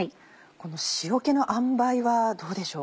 この塩気のあんばいはどうでしょう？